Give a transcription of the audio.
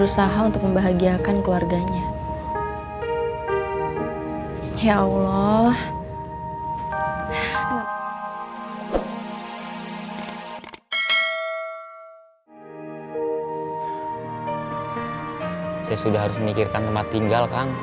sampai jumpa di video selanjutnya